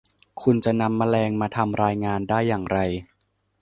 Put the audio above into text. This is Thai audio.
คุณจะนำแมลงมาทำรายงานได้อย่างไร